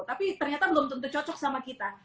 tapi ternyata belum tentu cocok sama kita